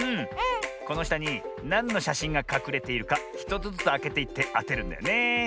このしたになんのしゃしんがかくれているか１つずつあけていってあてるんだよねえ。